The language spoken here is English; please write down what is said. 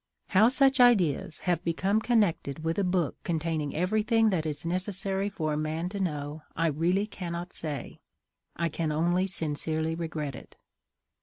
How such ideas have become connected with a book containing everything that is necessary for a man to know, I really cannot say; I can only sincerely regret it."